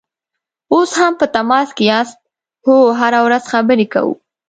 اوس هم په تماس کې یاست؟ هو، هره ورځ خبرې کوو